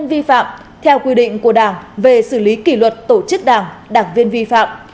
vi phạm theo quy định của đảng về xử lý kỷ luật tổ chức đảng đảng viên vi phạm